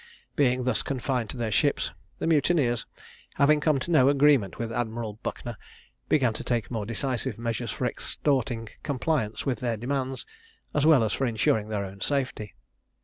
Being thus confined to their ships, the mutineers, having come to no agreement with Admiral Buckner, began to take more decisive measures for extorting compliance with their demands, as well as for insuring their own safety.